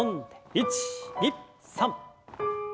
１２３。